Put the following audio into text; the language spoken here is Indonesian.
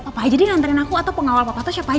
papa aja di nantain aku atau pengawal papa itu siapa aja ya